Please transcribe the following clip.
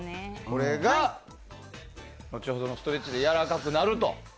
これが後ほどのストレッチでやわらかくなると。